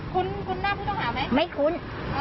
คุ้นหน้าผู้ต้องหาไหมไม่คุ้น